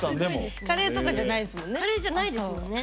カレーとかじゃないですもんね。